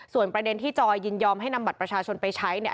ส่วนประเด็นที่จอยยินยอมให้นำบัตรประชาชนไปใช้เนี่ย